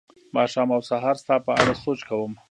ماښام او سهار ستا په اړه سوچ کوم